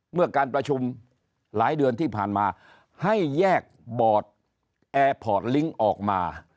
เมื่อการประชุมหลายเดือนที่ผ่านมาให้แยกบอร์ดแอร์พอร์ตลิงค์ออกมา